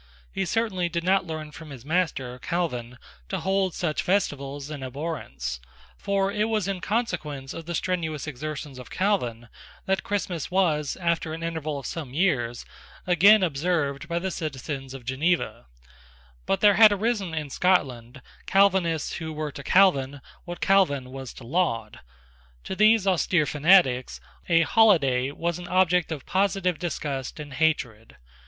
He certainly did not learn from his master, Calvin, to hold such festivals in abhorrence; for it was in consequence of the strenuous exertions of Calvin that Christmas was, after an interval of some years, again observed by the citizens of Geneva, But there had arisen in Scotland Calvinists who were to Calvin what Calvin was to Laud. To these austere fanatics a holiday was an object of positive disgust and hatred.